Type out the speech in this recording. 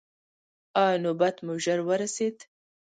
ایا نوبت مو ژر ورسید؟